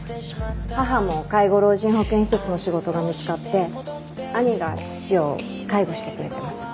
母も介護老人保健施設の仕事が見つかって兄が父を介護してくれてます。